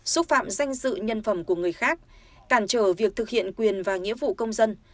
xúc phạm danh dự nhân phẩm của người khác cản trở việc thực hiện quyền và nghĩa vụ công dân